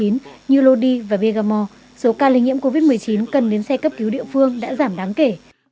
như lody và vegamo số ca lây nhiễm covid một mươi chín cần đến xe cấp cứu địa phương đã giảm đáng kể